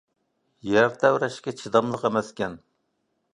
يەر تەۋرەشكە چىداملىق ئەمەسكەن.